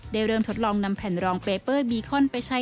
เริ่มทดลองนำแผ่นรองเปเปอร์บีคอนไปใช้